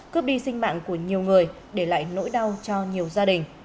cướp đi sinh mạng của nhiều người để lại nỗi đau cho nhiều gia đình